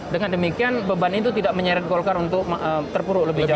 dengan demikian beban itu tidak menyeret golkar untuk terpuruk lebih jauh